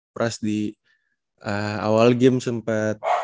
pras di awal game sempet